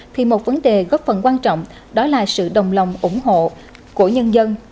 thì một vấn đề góp phần quan trọng đó là sự đồng lòng ủng hộ của nhân dân